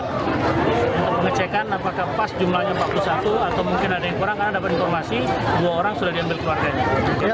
untuk pengecekan apakah pas jumlahnya empat puluh satu atau mungkin ada yang kurang karena dapat informasi dua orang sudah diambil keluarganya